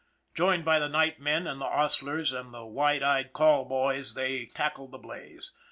Joined by the nightmen and the hostlers and the wide eyed call boys they tackled the blaze.